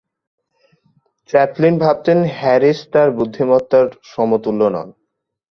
Chaplin ভাবতেন Harris তার বুদ্ধিমত্তার সমতুল্য নন।